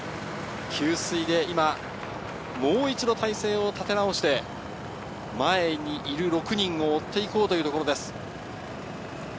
給水で今、もう一度、体勢を立て直して、前にいる６人を追っていこうというところです。